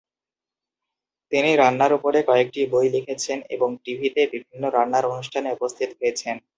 তিনি রান্নার উপরে কয়েকটি বই লিখেছেন এবং টিভিতে বিভিন্ন রান্নার অনুষ্ঠানে উপস্থিত হয়েছেন।